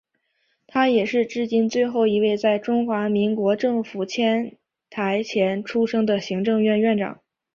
他也是至今最后一位在中华民国政府迁台前出生的行政院院长。